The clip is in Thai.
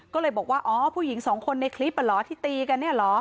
ก็เลยบอกว่าอ๋อผู้หญิงสองคนในคลิปอ่ะเหรอที่ตีกันเนี่ยเหรอ